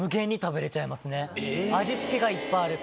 味付けがいっぱいあるから。